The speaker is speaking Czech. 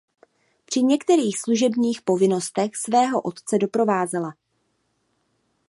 Při některých služebních povinnostech svého otce doprovázela.